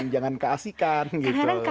karena keasikan karena nyari nyari mana ada